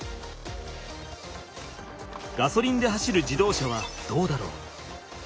ガソリンで走る自動車はどうだろう。